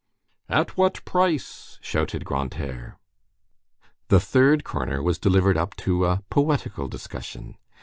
"At what price?" shouted Grantaire. The third corner was delivered up to a poetical discussion.